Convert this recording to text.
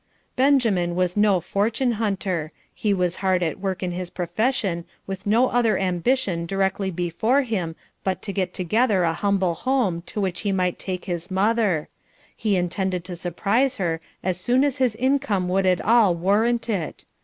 Benjamin was no fortune hunter; he was hard at work in his profession with no other ambition directly before him but to get together a humble home to which he might take his mother; he intended to surprise her as soon as his income would at all warrant it.